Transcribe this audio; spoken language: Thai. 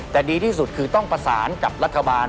แต่ดีที่สุดคือต้องประสานกับรัฐบาล